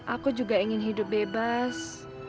aku juga ingin hidup bebas